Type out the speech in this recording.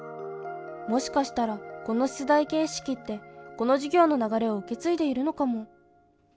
もしかしたらこの出題形式ってこの授業の流れを受け継いでいるのかも。